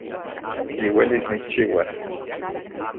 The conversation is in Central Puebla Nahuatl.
Yiuelis nikchiuas